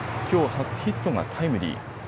きょう初ヒットがタイムリー。